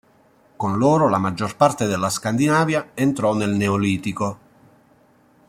Con loro la maggior parte della Scandinavia entrò nel Neolitico.